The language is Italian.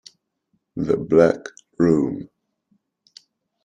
The Black Room